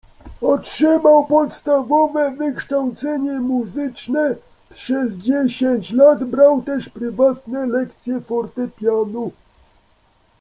Otrzymał podstawowe wykształcenie muzyczne, przez dziesięć lat brał też prywatne lekcje fortepianu.